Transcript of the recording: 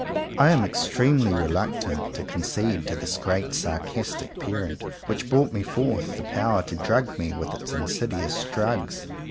I am extremely reluctant to con cede to this great sarcastic Parent which brought me forth, the power to drug me with its insidious drugs.